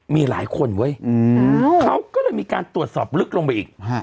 มีหลายคนเว้ยเขาก็เลยมีการตรวจสอบลึกลงไปอีก